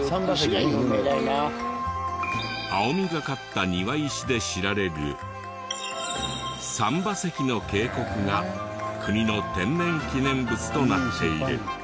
青みがかった庭石で知られる三波石の渓谷が国の天然記念物となっている。